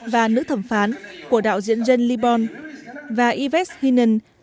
và nữ thẩm phán của đạo diễn jen libon và yves hinen